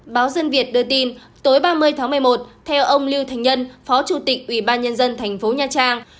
báo dân việt đưa tin tối ba mươi tháng một mươi một theo ông lưu thành nhân phó chủ tịch ủy ban nhân dân thành phố nha trang